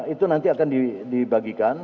itu nanti akan dibagikan